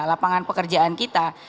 lapangan pekerjaan kita